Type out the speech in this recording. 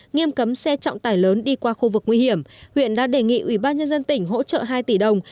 nghiêm cấm xe trọng tải lớn đi qua khu vực nguy hiểm huyện đã đề nghị ủy ban nhân dân tỉnh hỗ trợ hai tỷ đồng